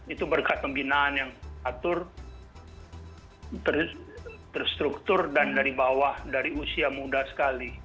itu berkat pembinaan yang atur terstruktur dan dari bawah dari usia muda sekali